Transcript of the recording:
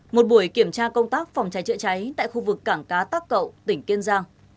một buổi kiểm tra công tác phòng cháy chữa cháy tại khu vực cảng cá tắc cậu tỉnh kiên giang